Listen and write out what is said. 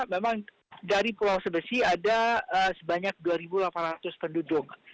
memang dari pulau sebesi ada sebanyak dua delapan ratus penduduk